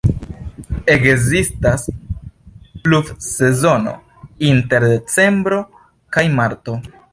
Ekzistas pluvsezono inter decembro kaj marto.